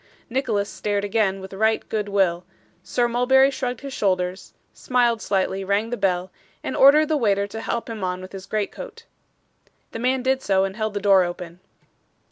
Nicholas stared again with right good will; Sir Mulberry shrugged his shoulders, smiled slightly, rang the bell, and ordered the waiter to help him on with his greatcoat. The man did so, and held the door open.